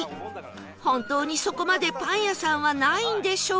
本当にそこまでパン屋さんはないんでしょうか？